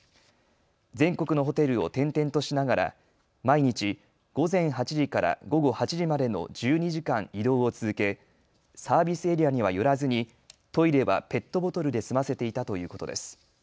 全国のホテルを転々としながら毎日、午前８時から午後８時までの１２時間、移動を続けサービスエリアには寄らずにトイレはペットボトルで済ませていたということです。